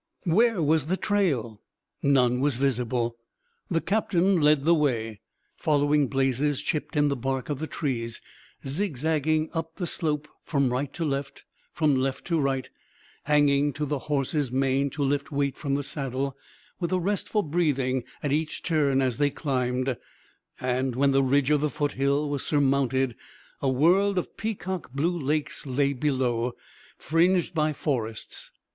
Where was the trail? None was visible! The captain led the way, following blazes chipped in the bark of the trees, zigzagging up the slope from right to left, from left to right, hanging to the horse's mane to lift weight from the saddle, with a rest for breathing at each turn as they climbed; and, when the ridge of the foothill was surmounted, a world of peacock blue lakes lay below, fringed by forests.